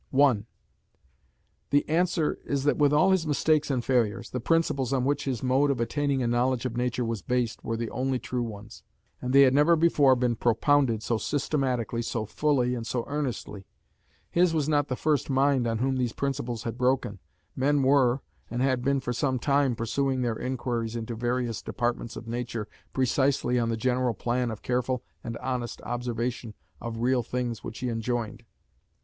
1. The answer is that with all his mistakes and failures, the principles on which his mode of attaining a knowledge of nature was based were the only true ones; and they had never before been propounded so systematically, so fully, and so earnestly. His was not the first mind on whom these principles had broken. Men were, and had been for some time, pursuing their inquiries into various departments of nature precisely on the general plan of careful and honest observation of real things which he enjoined.